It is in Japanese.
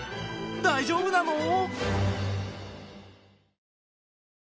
大丈夫なの？